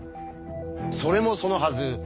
それもそのはず